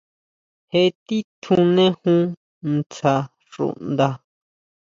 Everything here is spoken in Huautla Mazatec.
Je titjunejun ntsja xuʼnda.